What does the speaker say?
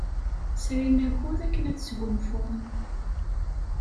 Srin akud akken ad sgunfun.